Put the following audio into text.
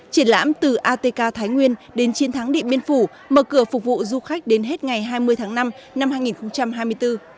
triển lãm từ atk thái nguyên đến chiến thắng điện biên phủ mở cửa phục vụ du khách đến hết ngày hai mươi tháng năm năm hai nghìn hai mươi bốn